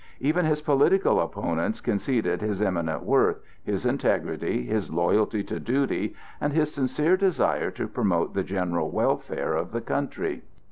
Even his political opponents conceded his eminent worth, his integrity, his loyalty to duty, and his sincere desire to promote the general welfare of the country.